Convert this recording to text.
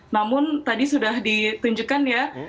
namun tadi sudah ditunjukkan ya